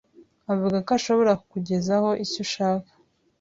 avuga ko ashobora kukugezaho icyo ushaka.